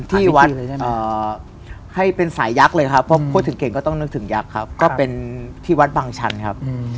ที่วัดเลยใช่ไหมให้เป็นสายยักษ์เลยครับเพราะพูดถึงเก่งก็ต้องนึกถึงยักษ์ครับก็เป็นที่วัดบางชันครับ